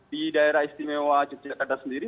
di daerah istimewa jogja kata sendiri